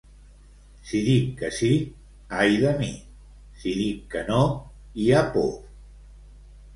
Si dic que sí, ai de mi! Si dic que no, hi ha por.